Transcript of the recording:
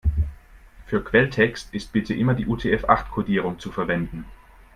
Für Quelltext ist bitte immer die UTF-acht-Kodierung zu verwenden.